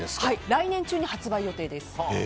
来年中に発売予定です。